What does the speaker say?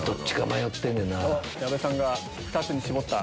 矢部さんが２つに絞った。